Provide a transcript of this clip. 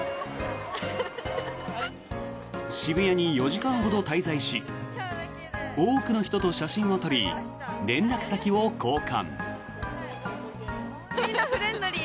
渋谷に４時間ほど滞在し多くの人と写真を撮り連絡先を交換。